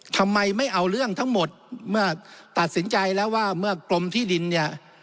ทำไมไม่เอาเรื่องทั้งหมดเมื่อตัดสินใจแล้วว่าเมื่อกรมที่ดินเนี่ย